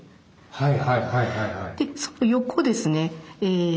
はい。